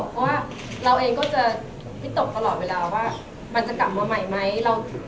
เพราะว่าเราเองก็จะวิตกตลอดเวลาว่ามันจะกลับมาใหม่ไหม